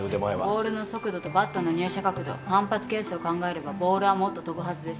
ボールの速度とバットの入射角度反発係数を考えればボールはもっと飛ぶはずです。